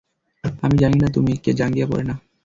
আমি না তুমি, কে জাঙ্গিয়া পরে না?